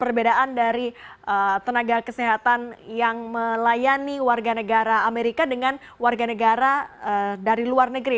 perbedaan dari tenaga kesehatan yang melayani warga negara amerika dengan warga negara dari luar negeri